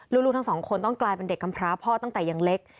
ลูกทั้งสองคนต้องกลายเป็นเด็กกำพร้าพ่อตั้งแต่ยังเล็ก